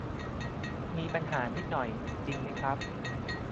มีปัญหานิดหน่อย จริงไหมครับ